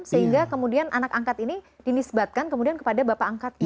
sehingga kemudian anak angkat ini dinisbatkan kemudian kepada bapak angkatnya